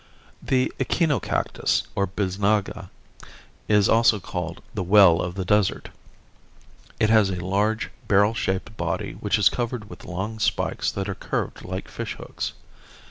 The echinocactus, or bisnaga, is also called "The Well of the Desert." It has a large barrel shaped body which is covered with long spikes that are curved like fishhooks.